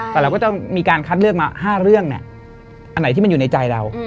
แต่เราก็จะมีการคัดเลือกมา๕เรื่องเนี่ยอันไหนที่มันอยู่ในใจเรา